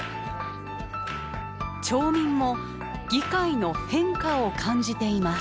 町民も議会の変化を感じています。